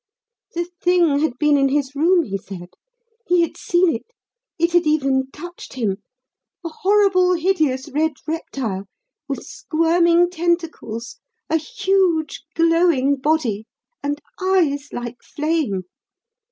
The thing had been in his room, he said. He had seen it it had even touched him a horrible, hideous red reptile, with squirming tentacles, a huge, glowing body, and eyes like flame.